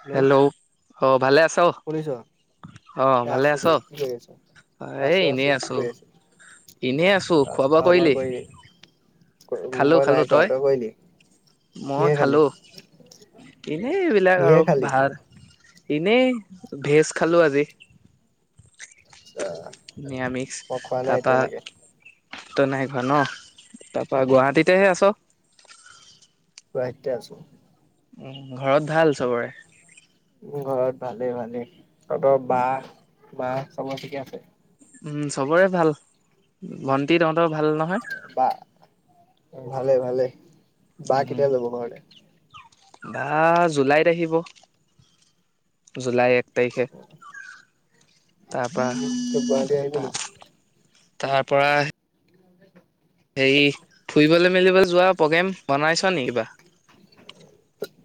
Hello hello! অঁ ভালে আছ শুনিছ অঁ এ ভালে আছো আছ। দে কি কৰি আছ এই আছো এনেই কি আছো, কৰি এনেই আছো আছ খোৱা-বোৱা খোৱা বোৱা কৰিলি? খালো মই খালো নাই কৰা তই? কৰিলি মই কিহে খালি খালো। এনেই এইবিলাক কিহে আৰু খালি ভাত এনেই ভেজ খালো আজি। আচ্ছা নিৰামিষ মই খোৱা নাই তাৰ পৰা - এতিয়ালৈকে ত নাই ঘোৱা ন তাৰ পৰা গুৱাহাটীতেহে আছ। গুৱাহাটীটে আছো। উমঁ ঘৰত ভাল চবৰে? ঘৰত ভালে ভালে তহঁতৰ বা মা চবেৰে ঠিকে আছে? উমঁ চবৰে ভাল ভন্টি তহতৰ ভাল নহয়? বা ভালেই ভালেই উমঁ বা জুলাইত আহিব। জুলাই এক তাৰিখে। তাৰ তই গুৱাহাটী আহিবি পৰা নেকি তাৰ পৰা- হেৰি ফুৰিবলৈ মেলিলে যোৱা প্ৰগ্ৰেম বনাইছা নেকি কিবা?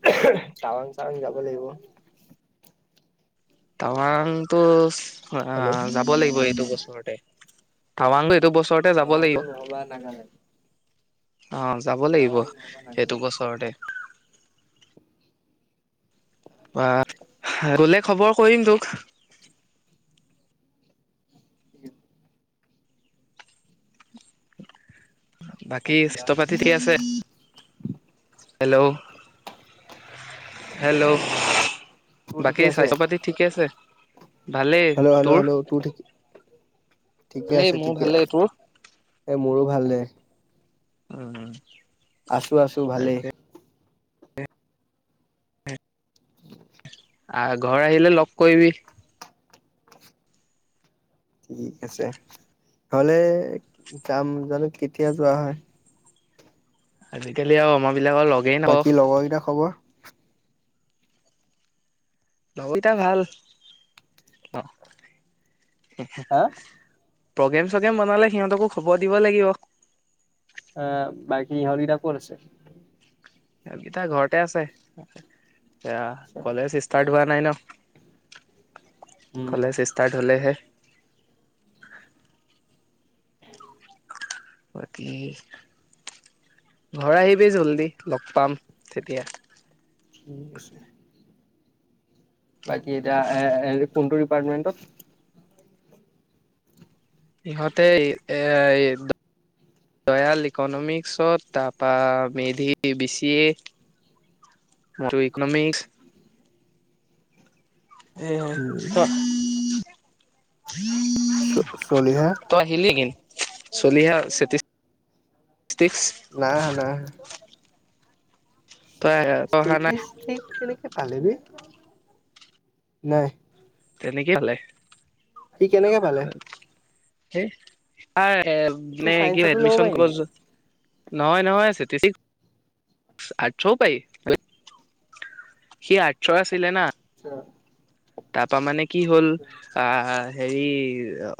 টাৱাং চাৱাং যাব লাগিব। টাৱাংটো যাব হেল্ল' যাব লাগিব এইটো বছৰতে টাৱাংটো এইটো বছৰত- তে যাব টাৱাং লাগিব নহবা নাগালেণ্ড অঁ যাব লাগিব টাৱাং নহবা সেইটো নাগালেণ্ড বছৰতে বা গলে খবৰ কৰিম তোক। বাকী চাহস্থা পাতি ঠিকে আছে হেল্লৌ? হেল্লৌ! তোৰ ঠিকে বাকী আছে স্বাস্থ্য পাতি ঠিকে আছে ভালেই হেল্ল' হেল্ল' তোৰ? হেল্ল' ঠিক ভালেই মোৰ ভালেই তোৰ? এই মোৰো ভাল দে। উমঁ উমঁ। আছোঁ আছোঁ ভালেই। আ ঘৰ আহিলে লগক কৰিবি। ঠিক আছে ঘৰলে যাম জানো কেতিয়া যোৱা হয়। আজিকালি আও আমাবিলাকৰ লগ- বাকী লগৰকেইটা খবৰ? লগৰ কেইটা ভাল অহ হহ হা প্ৰগ্ৰেম চগ্ৰেম বনালে সিহঁতকো খবৰ দিব লাগিব। আহ বাকী সিহতৰ কেইটা ক'ত আছে। সিহঁত কেইটা ঘৰতে আছে এয়া কলেজ- ষ্টাৰ্ট হোৱা নাই ন উম কলেজ ষ্টাৰ্ট হ'লেহে- বাকী ঘৰ আহিবি জলধি লগ পাম তেতিয়া। ঠিক আছে। বাকী এটিয়া এএ কোনটো ডিপাৰ্টমেন্টত? ইহঁতে এই এ ৰয়েল ইকনমিক্সত তাৰপৰা মেধি বি চি এ। [inaudible] উম এই [unintelligible] চ-চলিহা। ত' আহিলি [unintelligible] চলিহা [unintelligible] নাই আহা নাই আহা। তই তই অহা নাই ষ্টেটিচষ্টিক কেনেকে পালে বে নাই। তেনেকে পালে। ই কেনেকে পালে? [unintelligible] মানে কি হয় চাইন্সতো ল'ব এডমিশন পাৰি কলেজত নহয় নহয় [unintelligible] আটচও পাৰি সি আটচৰ আছিলে না। আচ্ছা। তাপা মানে কি হ'ল আ হেৰি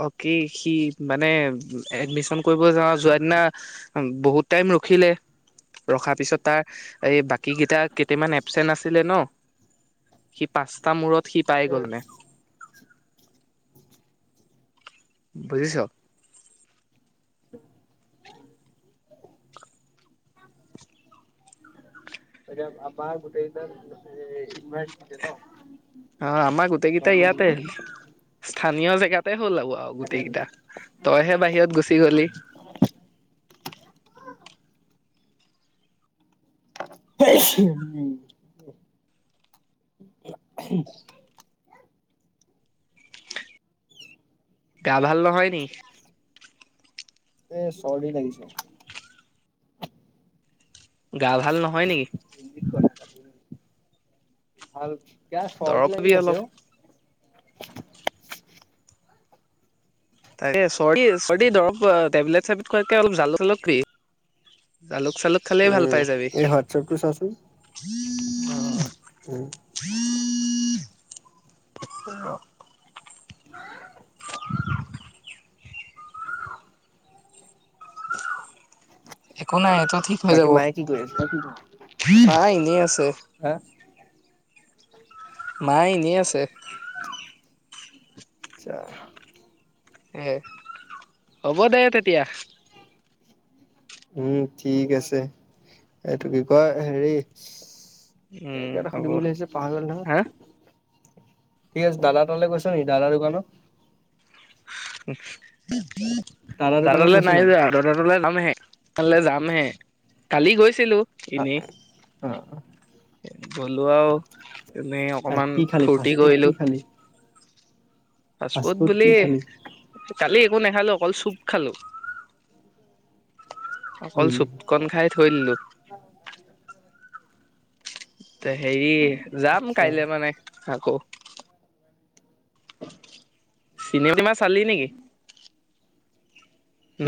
অ' কি সি মানে এডমিশন কৰিব য যোৱা দিনা বহুত টাইম ৰখিলে। ৰখাৰ পিছত তাৰ এই বাকী কেইটা কেইটামান এবচেন্ট আছিলে ন। সি পাঁচটা মূৰত সি পাই গ'ল মানে। বুজিছ? [inaudible] এতিয়া আমাৰ গোটেই কেইটা ইউনিভাৰচিটিতে ন। অ', আমাৰ গোটেইকেইটা নৰ্থ ইয়াতেল স্থানীয় জেগাতে হ'ল আৰু আৰু গোটেইকেইটা। তইহে বাহিৰত গুচি গলি। উম। [inaudible] গা ভাল নহয় নি? এ চৰ্দি লাগিছে। গা ভাল নহয় নেকি? [unintelligible] ভাল ক দৰৱ চৰ্টি খাবি লাগি অলপ আছে অ'। তাকে চৰ্দি চৰ্দি দ্ৰৱ টেবলেট চেবলেট খোৱাতকে অলপ জালুক চালুক খাবি। জালুক চালুক খালেই ভাল উম পাই যাবি। এই হোৱাটছএপটো চাচোন উম। [inaudible] [inaudible] একো নাই এইটো ঠিক হৈ বাকী যাব, মায়ে কি কৰি আছে মা এনেই আছে। হা? মা এনেই আছে। আচ্ছা। হে হ'ব দে তেতিয়া। উম, ঠিক আছে এইটো কি কয় হেৰি এই উম কিবা এটা হ'ব সুধিম বুলি আছিলো পাহৰিলো হা নহয়। ঠিক আছে, দাদা তাৰলৈ গৈছ নেকি দাদাৰ দোকানত? দাদা তালৈ নাই যোৱা। দাদা টালৈ যাম হে কাললৈ যাম হে কালি গৈছিলো। অ ইনেই গলোঁ আওঁ। এনেই অ অকণমান কি খালি ফূৰ্তি ফাষ্ট ফুড কি কৰিলোঁ। খালি ফাষ্ট ফ্ৰাচফুট ফুড বুলি। কি খালি কালি একো নাখালো অকল চুপ খালো অকল উম চুপ। অকন খাই থৈ দিলোঁ। হেৰি যাম আচ্ছা কাইলে মানে আকৌ। চিনেমা চালি নেকি?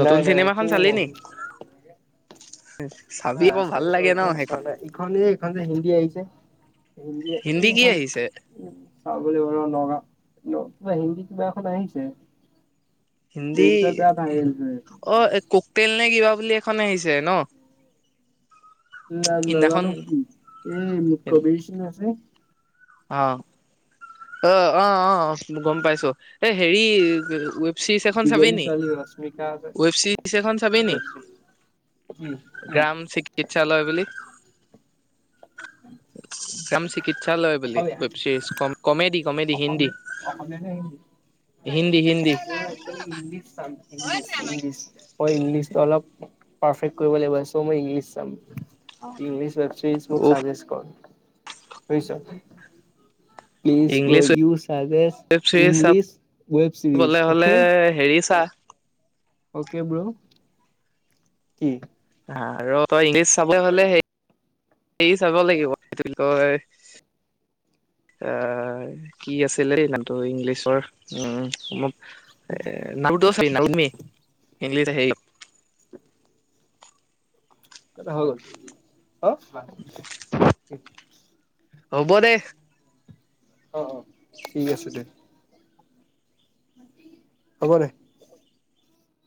নতুন নাই নাই চিনেমাখন একো চালি নেকি? নাই চাইছো ইখন চোৱা নাই ইখন এই হিন্দী আহিছে। হিন্দী কি আহিছে। চাবলৈ বাৰু নাগাওঁত ন হিন্দী কিবা এখন আহিছে। হিন্দী ৰিলচত বেয়া ভাইৰেল হৈ আছে অ কুকটেইল নে কিবা বুলি এখন আহিছে ন। না নাজানো ইদিনাখন জানো কবি বিচন আছে। অ। অ অ অ গম পাইছো এ হেৰি কি ও। চিজ এখন চাব দুজনী নি ছোৱালী ৰশ্মিকা ৱেব চিজ এখন চাব নি। উম উম। গ্ৰাম চিকিৎসালয় বুলি। গ্ৰাম। চিকিৎসালয় বুলি অসমীয়া web series comedy comedy. Hindi অসমীয়া অসমীয়া নে Hindi? Hindi Hindi English. English- English. ইংলিছটো অলপ। পাৰফেক্ট কৰিব লাগিব। চ' মই ইংলিছ চাম। ইংলিশ ৱেব চিৰিজ মোৰ উফ মুকেছ কছ বুজিছ। প্লিজ ফৰ ইংলিছ ইউ চাজেচ ৱেব ছিৰিজ ইংলিছ ৱেব চাবলে চিৰিজ হলে অ'কে? হেৰি চা অকে ব্ৰু। কি? আৰু তই ইংলিছ চাবলৈ হলে। হেৰি চাব লাগিব। সেইটো তই। এ- কি আছিলে নামটো ইংলিছৰ। এ নামটো চ নিংলি আহেই। অ দে হৈ গ'ল। [inaudible] হ'ব দে। অ-অ ঠিক আছে দে। হ'ব দে।